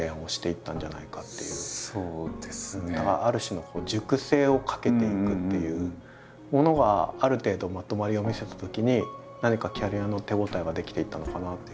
ある種の熟成をかけていくというものがある程度まとまりを見せたときに何かキャリアの手応えが出来ていったのかな。